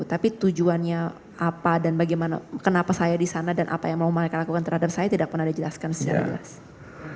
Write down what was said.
tapi tujuannya apa dan bagaimana kenapa saya di sana dan apa yang mau mereka lakukan terhadap saya tidak pernah dijelaskan secara jelas